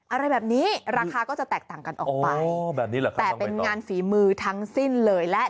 อะไรแบบนี้ราคาก็จะแตกต่างกันออกไปแต่เป็นงานฝีมือทั้งสิ้นเลยและ